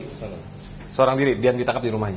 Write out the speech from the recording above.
di seorang diri dan ditangkap di rumahnya